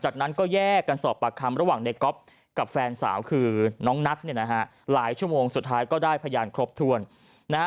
จากนั้นก็แยกกันสอบปากคำระหว่างในก๊อฟกับแฟนสาวคือน้องนัทเนี่ยนะฮะหลายชั่วโมงสุดท้ายก็ได้พยานครบถ้วนนะฮะ